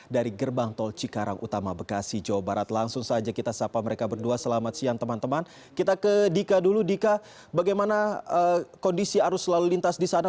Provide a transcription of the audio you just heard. dika bagaimana kondisi arus lalu lintas di sana